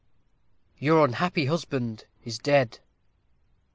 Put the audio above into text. _ Your unhappy husband Is dead.